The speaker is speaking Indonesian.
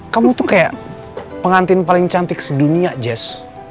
kamu tuh kayak pengantin paling cantik sedunia jazz